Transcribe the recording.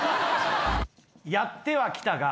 やってはきたが。